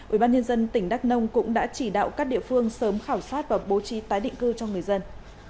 ubnd tỉnh đắk nông cũng đã chỉ đạo các địa phương sớm khảo sát và bố trí tái định cư cho người dân